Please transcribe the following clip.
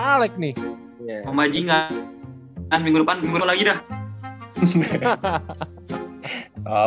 alec nih ngomong aja nggak kan minggu depan minggu lagi dah